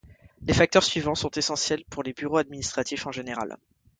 Les facteurs suivants sont essentiels pour les bureaux administratifs en général.